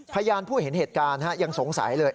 พยานผู้เห็นเหตุการณ์ยังสงสัยเลย